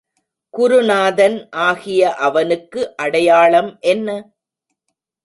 குருநாதன் ஆகிய அவனுக்கு அடையாளம் என்ன?